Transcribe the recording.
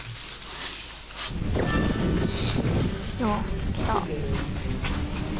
「おっ来た」